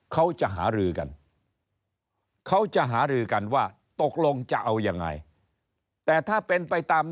เขาจะหารือกันว่าตกลงจะเอายังไงแต่ถ้าเป็นไปตามนี้